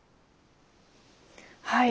はい。